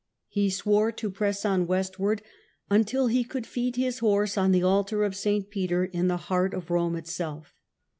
He swore to press on west ward until he could feed his horse on the altar of St. Peter in the heart of Kome itself.